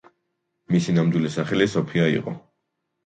მისი ნამდვილი სახელი სოფია იყო.